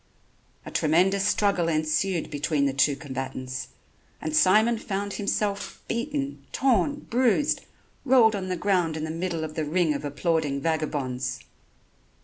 A tremendous struggle ensued between the two combatants, and Simon found himself beaten, torn, bruised, rolled on the ground in the middle of the ring of applauding vagabonds.